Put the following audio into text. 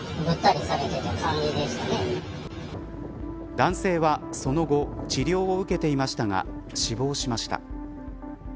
男性は、その後治療を受けていましたが死亡しました。